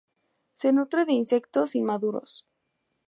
Se nutre de insectos inmaduros.